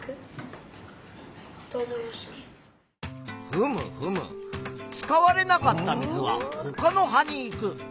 ふむふむ使われなかった水はほかの葉に行く。